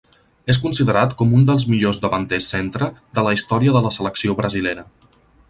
És considerat com un dels millors davanters centre de la història de la selecció brasilera.